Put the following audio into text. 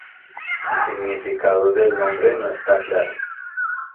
El significado del nombre no está claro.